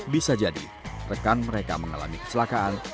bisa jadi rekan mereka mengalami keselakaan